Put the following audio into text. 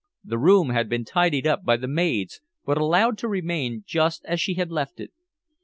The room had been tidied by the maids, but allowed to remain just as she had left it.